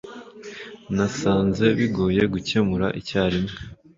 nasanze bigoye gukemura icyarimwe